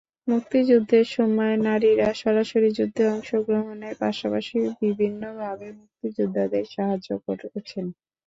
মুক্তিযুদ্ধের সময় নারীরা সরাসরি যুদ্ধে অংশগ্রহণের পাশাপাশি বিভিন্নভাবে মুক্তিযোদ্ধাদের সাহায্য করেছেন।